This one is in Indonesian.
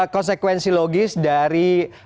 konsekuensi logis dari